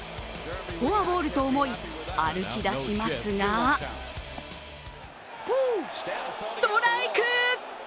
フォアボールと思い歩きだしますがストライク！